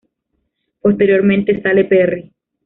Posteriormente sale Perry.